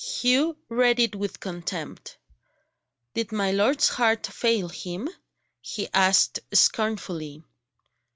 Hugh read it with contempt. "Did my lord's heart fail him?" he asked scornfully.